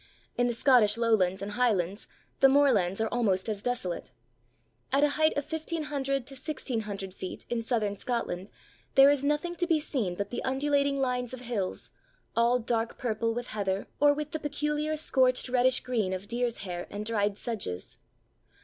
In the Scottish Lowlands and Highlands the moorlands are almost as desolate. At a height of 1500 to 1600 feet in Southern Scotland there is nothing to be seen but the undulating lines of hills, all dark purple with heather or with the peculiar scorched reddish green of Deer's Hair and dried sedges.